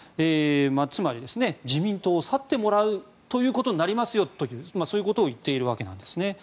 つまり、自民党を去ってもらうということになりますよとそういうことを言っているわけです。